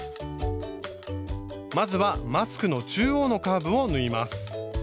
まずはマスクの中央のカーブを縫います。